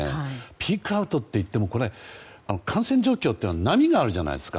ピークアウトっていっても感染状況って波があるじゃないですか。